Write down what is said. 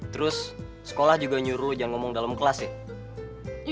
terus sekolah juga nyuruh jangan ngomong dalam kelas sih